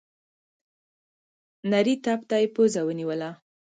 نري تپ ته يې پزه ونيوله.